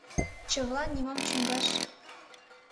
— Чывылан нимом чӱҥгаш...